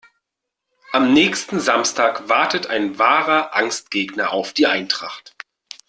Am nächsten Samstag wartet ein wahrer Angstgegner auf die Eintracht.